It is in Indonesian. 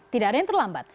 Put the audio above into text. tidak ada yang terlambat